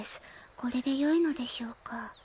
これでよいのでしょうか。